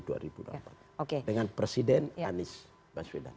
dengan presiden anies baswilan